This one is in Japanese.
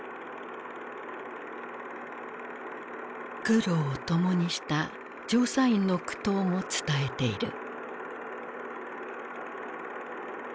苦労を共にした調査員の苦闘も伝えている。